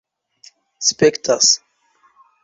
spektas